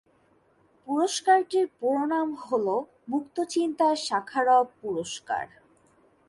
পুরস্কারটির পুরো নাম হলো "মুক্তচিন্তায় শাখারভ পুরস্কার"।